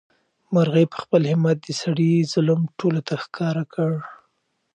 مرغۍ په خپل همت د سړي ظلم ټولو ته ښکاره کړ.